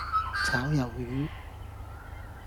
炒魷魚